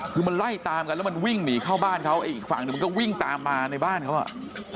คือมันไล่ตามกันแล้วมันวิ่งหนีเข้าบ้านเขาไอ้อีกฝั่งหนึ่งมันก็วิ่งตามมาในบ้านเขาอ่ะ